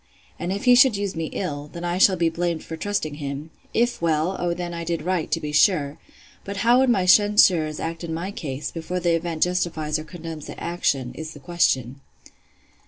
And if he should use me ill, then I shall be blamed for trusting him: If well, O then I did right, to be sure!—But how would my censurers act in my case, before the event justifies or condemns the action, is the question?